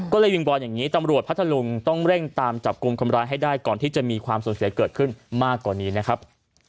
ก็เลยวิงวอนอย่างนี้ตำรวจพัทธลุงต้องเร่งตามจับกลุ่มคนร้ายให้ได้ก่อนที่จะมีความสูญเสียเกิดขึ้นมากกว่านี้นะครับ